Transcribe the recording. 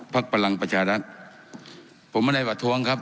ภักดิ์ประหลังประชารัฐผมไม่ได้ประท้วงครับ